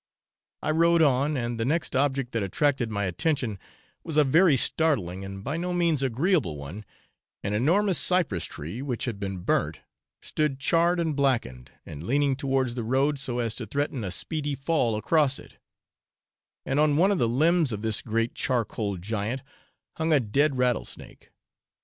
I rode on, and the next object that attracted my attention was a very startling and by no means agreeable one an enormous cypress tree which had been burnt stood charred and blackened, and leaning towards the road so as to threaten a speedy fall across it, and on one of the limbs of this great charcoal giant hung a dead rattlesnake.